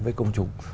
với công chúng